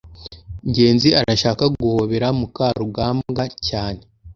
ngenzi arashaka guhobera mukarugambwa cyane